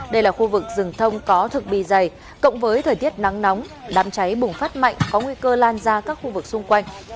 đây là khu vực rừng thông có thực bì dày cộng với thời tiết nắng nóng đám cháy bùng phát mạnh có nguy cơ lan ra các khu vực xung quanh